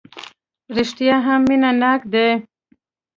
رېښتیا هم مینه ناک دی.